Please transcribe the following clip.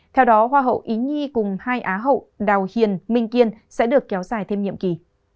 theo đó hoa hậu ý nhi cùng hai á hậu đào hiền minh kiên sẽ được kéo dài thêm nhiệm kỳ